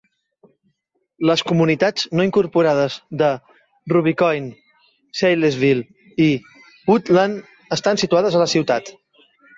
Les comunitats no incorporades de Rubicon, Saylesville, i Woodland estan situades a la ciutat.